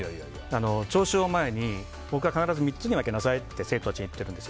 聴衆を前に、僕が必ず３つに分けなさいと生徒たちに言っているんです。